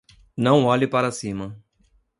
Não olhe para cima